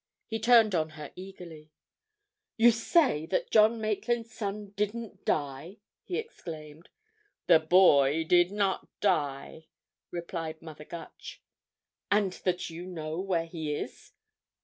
He turned on her eagerly. "You say that John Maitland's son didn't die!" he exclaimed. "The boy did not die," replied Mother Gutch. "And that you know where he is?"